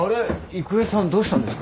育江さんどうしたんですか？